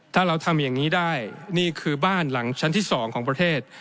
ถ้าเราทำอย่างนี้ได้นี่คือบ้านหลังชั้นที่๒ของประเทศ